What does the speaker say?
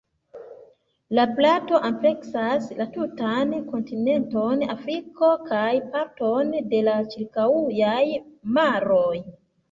La plato ampleksas la tutan kontinenton Afriko kaj parton de la ĉirkaŭaj maroj.